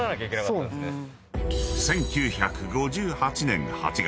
［１９５８年８月］